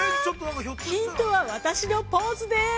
ヒントも私のポーズです。